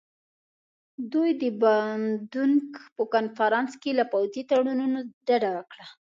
دوی د باندونک په کنفرانس کې له پوځي تړونونو ډډه وکړه.